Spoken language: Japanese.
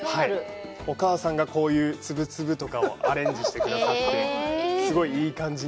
お母さんがこういうつぶつぶとかをアレンジしてくださって、すごいいい感じに。